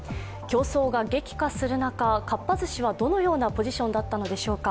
競争が激化する中、かっぱ寿司はどのようなポジションだったのでしょうか。